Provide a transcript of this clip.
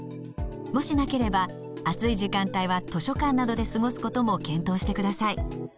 もしなければ暑い時間帯は図書館などで過ごすことも検討してください。